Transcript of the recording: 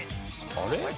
あれ？